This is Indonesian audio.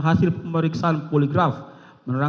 kita harus membuatnya